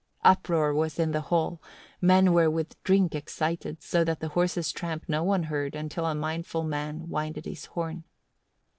19. Uproar was in the hall, men were with drink excited, so that the horses' tramp no one heard, until a mindful man winded his horn.